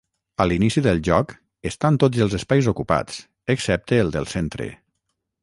A l'inici del joc estan tots els espais ocupats, excepte el del centre.